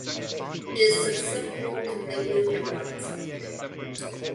It is susceptible to mildew and blackspot.